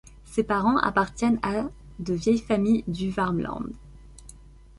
Ses parents appartiennent à de vieilles familles du Värmland.